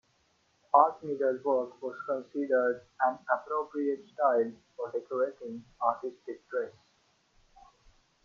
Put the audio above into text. Art needlework was considered an appropriate style for decorating artistic dress.